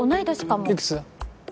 いくつ？